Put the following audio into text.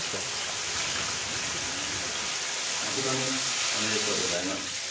まことにおめでとうございます。